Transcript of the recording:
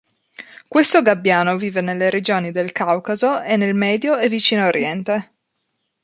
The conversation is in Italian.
Questo gabbiano vive nelle regioni del Caucaso e nel Medio e Vicino Oriente.